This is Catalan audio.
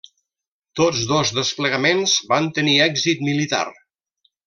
Tots dos desplegaments van tenir èxit militar.